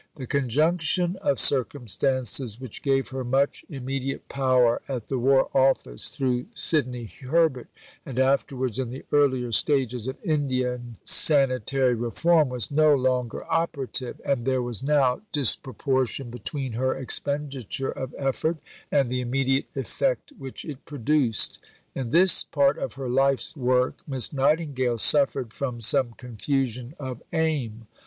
The conjunction of circumstances which gave her much immediate power at the War Office, through Sidney Herbert, and afterwards in the earlier stages of Indian sanitary reform, was no longer operative; and there was now disproportion between her expenditure of effort and the immediate effect which it produced. In this part of her life's work Miss Nightingale suffered from some confusion of aim.